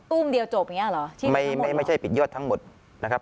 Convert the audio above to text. ตู้มเดียวจบอย่างเงี้เหรอที่ไม่ไม่ใช่ปิดยอดทั้งหมดนะครับ